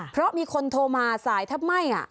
เพราะมีคนโทรมาสายถ้าไม่